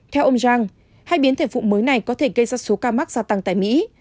theo ông jean hai biến thể phụ mới này có thể gây ra số ca mắc gia tăng tại mỹ